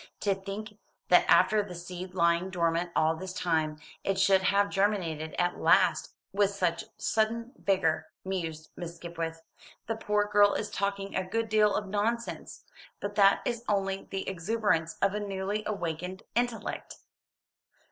"To think that after the seed lying dormant all this time, it should have germinated at last with such sudden vigour," mused Miss Skipwith. "The poor girl is talking a good deal of nonsense; but that is only the exuberance of a newly awakened intellect."